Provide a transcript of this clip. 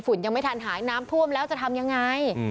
ยังไม่ทันหายน้ำท่วมแล้วจะทำยังไง